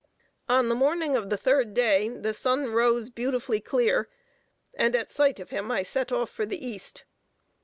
On the morning of the third day the sun rose beautifully clear, and at sight of him I set off for the East.